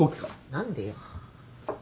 何でよ。